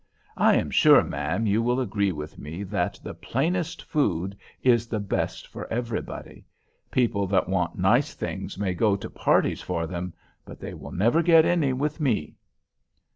I am sure, ma'am, you will agree with me that the plainest food is the best for everybody. People that want nice things may go to parties for them; but they will never get any with me."